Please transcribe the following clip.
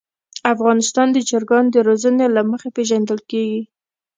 افغانستان د چرګانو د روزنې له مخې پېژندل کېږي.